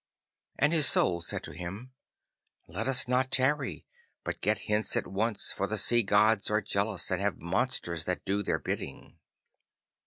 And his Soul said to him, 'Let us not tarry, but get hence at once, for the Sea gods are jealous, and have monsters that do their bidding.